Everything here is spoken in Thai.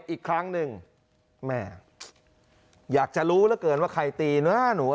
อีกครั้งหนึ่งแม่อยากจะรู้เหลือเกินว่าใครตีนะหนู